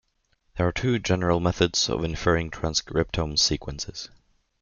There are two general methods of inferring transcriptome sequences.